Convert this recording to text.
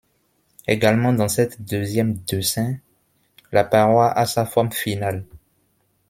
Également dans cette deuxième dessin, la paroi a sa forme finale.